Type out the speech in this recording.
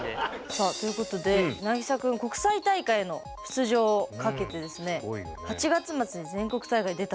さあということでなぎさくん国際大会への出場をかけてですね８月末に全国大会に出たそうなんですけど。